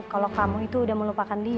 kalau kamu itu udah melupakan diri